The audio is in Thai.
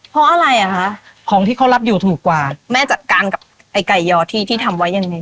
เพราะอะไรอ่ะคะของที่เขารับอยู่ถูกกว่าแม่จัดการกับไอ้ไก่ยอที่ที่ทำไว้ยังไง